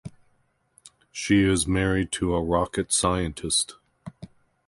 She is married to a rocket scientist.